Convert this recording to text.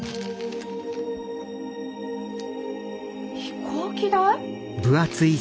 飛行機代？